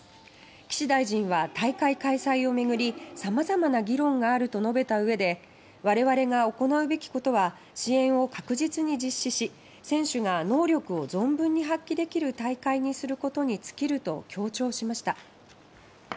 岸大臣は大会開催を巡りさまざまな議論があると述べたうえで「我々が行うべきことは支援を確実に実施し選手が能力を存分に発揮できる大会にすることに尽きる」と強調しました。